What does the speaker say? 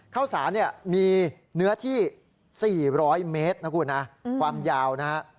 ข้าวสารเนี่ยมีเนื้อที่๔๐๐เมตรนะคุณนะความยาวนะฮะ